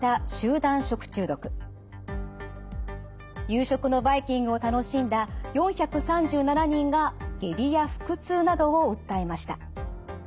夕食のバイキングを楽しんだ４３７人が下痢や腹痛などを訴えました。